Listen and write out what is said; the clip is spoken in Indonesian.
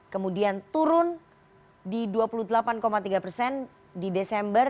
kemudian turun di dua puluh delapan tiga persen di desember